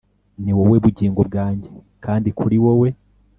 niwowe bugingo bwanjye ,kandi kuriwowe